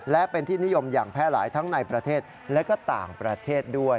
และเป็นที่นิยมอย่างแพร่หลายทั้งในประเทศและก็ต่างประเทศด้วย